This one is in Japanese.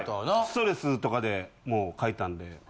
ストレスとかでもう描いたんで。